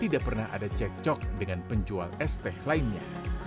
tidak pernah ada cek cok dengan penjual esteh lainnya